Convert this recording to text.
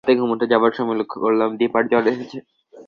রাতে ঘুমুতে যাবার সময়ে লক্ষ করলাম, দিপার জ্বর এসেছে।